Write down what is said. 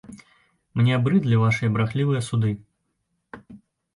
Мне абрыдлі вашыя брахлівыя суды!